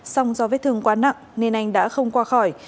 song do vết thương quá nặng nên anh đã không qua khỏi